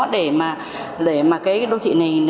để mà cái đô thị này